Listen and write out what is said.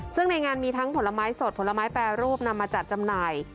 ซึ่งในงานมีทั้งผลไม้สดผลไม้แปรรูปนำมาจัดจำหน่าย